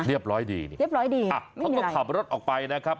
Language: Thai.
เรียบร้อยดีเรียบร้อยดีอ่ะเขาก็ขับรถออกไปนะครับ